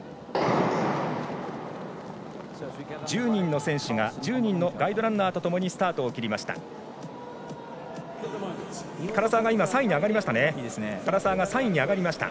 １０人の選手が１０人のガイドランナーとともにスタートを切りました。